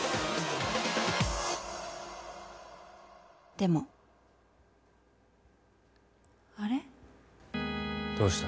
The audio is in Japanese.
でも］あれ？どうした？